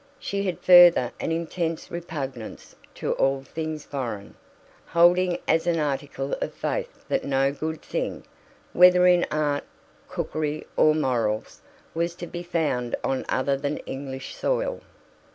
She had further an intense repugnance to all things foreign, holding as an article of faith that no good thing, whether in art, cookery, or morals, was to be found on other than English soil.